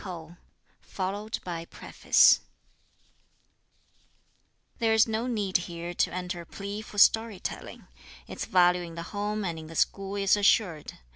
_Preface There is no need here to enter a plea for story telling. Its value in the home and in the school is assured.